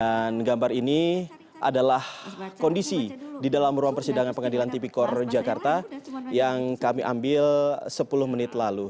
dan gambar ini adalah kondisi di dalam ruang persidangan pengadilan tipikor jakarta yang kami ambil sepuluh menit lalu